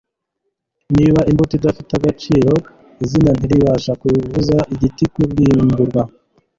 Niba imbuto idafite agaciro izina ntiribasha kubuza igiti kurimburwa.